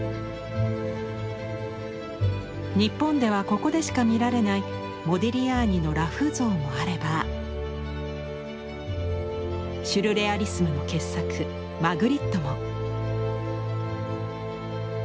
日本ではここでしか見られないモディリアーニの裸婦像もあればシュルレアリスムの傑作マグリットも。